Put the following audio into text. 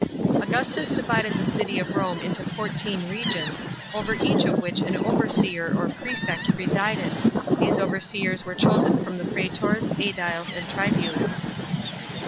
39 Augustus divided the city of Rome into fourteen regions, over each of which an overseer or prefect presided ; these overseers were chosen from the praetors, sediles, and tribunes.